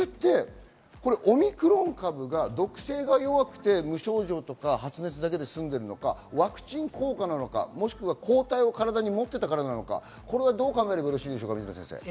オミクロン株が毒性が弱くて無症状とか発熱だけで済んでいるのか、ワクチン効果なのか、抗体を体に持っていたからなのか、どう考えればいいですか。